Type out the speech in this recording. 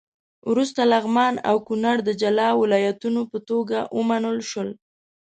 وروسته لغمان او کونړ د جلا ولایتونو په توګه ومنل شول.